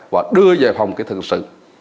và đưa về phòng kỹ thuật hình sự